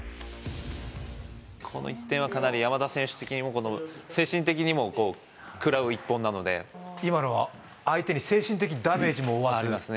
この１点はかなり山田選手的にも精神的にもこう食らう一本なので今のは相手に精神的ダメージも負わすありますね